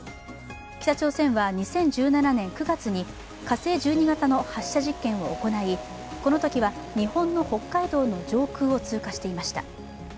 北朝鮮は２０１７年９月に火星１２型の発射実験を行い、このときは日本の北海道の上空を通過していました。